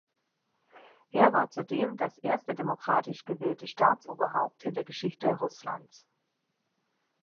Er war zudem das erste demokratisch gewählte Staatsoberhaupt in der Geschichte Russlands.